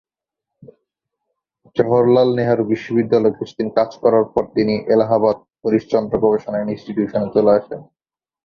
জওহরলাল নেহেরু বিশ্ববিদ্যালয়ে কিছুদিন কাজ করার পরে তিনি এলাহাবাদের হরিশ-চন্দ্র গবেষণা ইনস্টিটিউটে চলে আসেন।